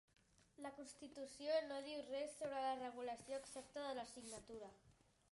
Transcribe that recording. La Constitució no diu res sobre la regulació exacta de la signatura.